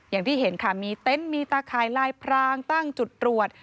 อย่างที่เห็นค่ะมีเต็นต์มีตาข่ายลายพรางตั้งจุดตรวจ